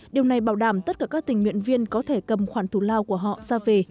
điều này bảo đảm tất cả các tình nguyện viên có thể cầm khoản thủ lao của họ ra về